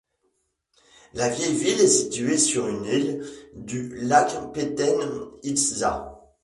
La vieille ville est située sur une île du lac Petén Itzá.